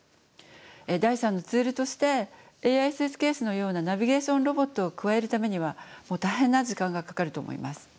第３のツールとしてＡＩスーツケースのようなナビゲーションロボットを加えるためには大変な時間がかかると思います。